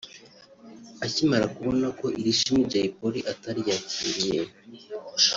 Akimara kubona ko iri shimwe Jay Polly ataryakiriye